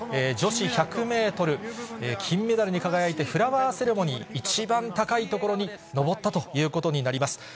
女子１０００メートル、金メダルに輝いて、フラワーセレモニー、一番高い所に上ったということになります。